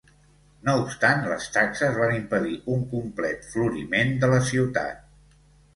No obstant les taxes van impedir un complet floriment de la ciutat.